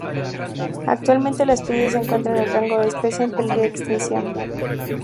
Actualmente la especie se encuentra en el rango de Especie en peligro de extinción.